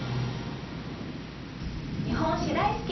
日本史大好き！